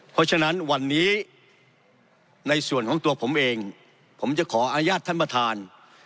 เพราะฉะนั้นวันนี้ในส่วนของตัวผมเองผมจะขออนุญาตท่านประธาน